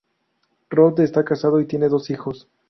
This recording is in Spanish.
Roth está casado y tiene dos hijos.